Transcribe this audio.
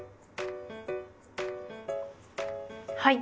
はい。